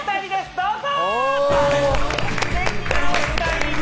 どうぞ。